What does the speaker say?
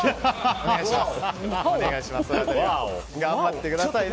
お願いします。